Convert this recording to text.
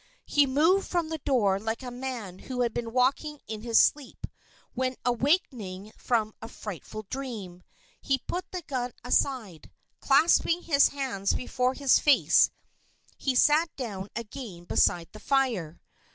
He moved from the door like a man who had been walking in his sleep when awakening from a frightful dream. He put the gun aside. Clasping his hands before his face, he sat down again beside the fire.